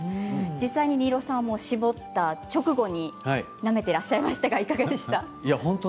実際に新納さんも搾った直後になめていらっしゃいましたがいかがでしたか？